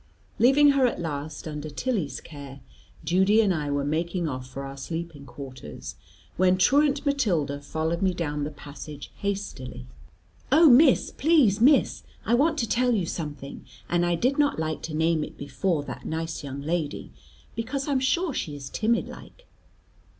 Leaving her at last under Tilly's care, Judy and I were making off for our sleeping quarters, when truant Matilda followed me down the passage hastily. "Oh, Miss, please, Miss, I want to tell you something, and I did not like to name it before that nice young lady, because I am sure she is timid like."